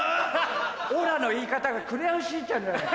「オラ」の言い方が『クレヨンしんちゃん』じゃねえか。